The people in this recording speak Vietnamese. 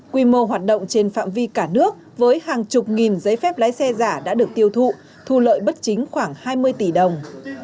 quy mô hoạt động trên phạm vi cả nước với hàng chục nghìn giấy phép lái xe giả đã được tiêu thụ thu lợi bất chính khoảng hai mươi tỷ đồng